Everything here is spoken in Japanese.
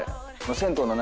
銭湯の何？